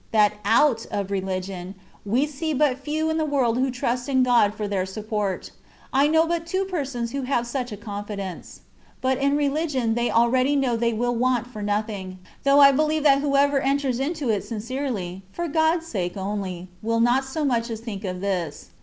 that out of religion, we see but few in the world who trust in God for their support. I know but two persons who have such a confidence. But in religionf they already know they will want for nothing, though I believe that whoever enters into it sincerely, for God's sake only, will not so much as think of this.